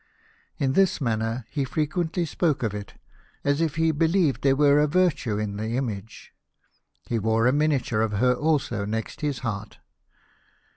In this manner he frequently spoke of it, as if he be lieved there were a virtue in the image. He wore a miniature of her also next his heart.